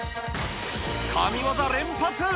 神業連発。